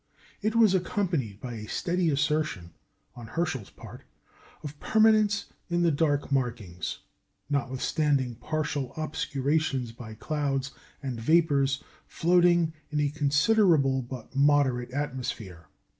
It was accompanied by a steady assertion, on Herschel's part, of permanence in the dark markings, notwithstanding partial obscurations by clouds and vapours floating in a "considerable but moderate atmosphere."